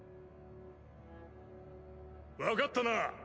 分かったな。